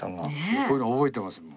こういうの覚えてますもん。